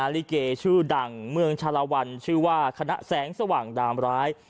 ลิเกชื่อดังเมืองชาลาวันชื่อว่าคณะแสงสว่างดามร้าย